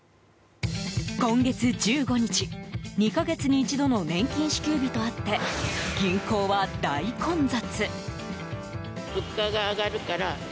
今月１５日、２か月に一度の年金支給日とあって銀行は大混雑。